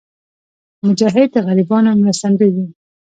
مجاهد د غریبانو مرستندوی وي.